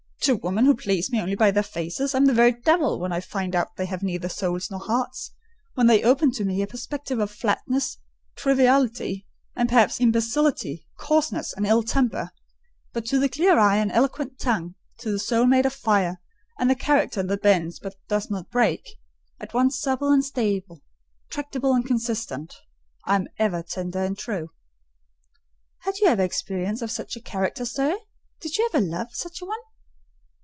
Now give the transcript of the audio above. "To women who please me only by their faces, I am the very devil when I find out they have neither souls nor hearts—when they open to me a perspective of flatness, triviality, and perhaps imbecility, coarseness, and ill temper: but to the clear eye and eloquent tongue, to the soul made of fire, and the character that bends but does not break—at once supple and stable, tractable and consistent—I am ever tender and true." "Had you ever experience of such a character, sir? Did you ever love such an one?"